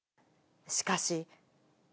しかし。